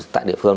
tại địa phương